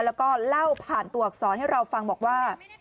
แล้วก็เล่าผ่านตัวอักษรให้เราฟังบอกว่า